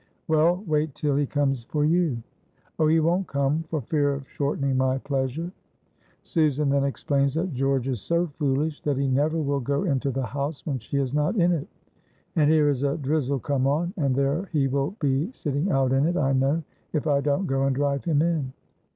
"Well, wait till he comes for you." "Oh, he won't come, for fear of shortening my pleasure." Susan then explains that George is so foolish that he never will go into the house when she is not in it. "And here is a drizzle come on, and there he will be sitting out in it, I know, if I don't go and drive him in."